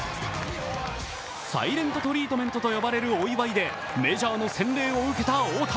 サイレントトリートメントと呼ばれるお祝いでメジャーの洗礼を受けた大谷。